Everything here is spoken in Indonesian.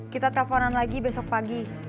kita telponan lagi besok pagi